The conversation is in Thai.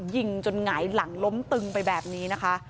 ยิงจนหงายหลังล้มตึงไปแบบนี้นะคะ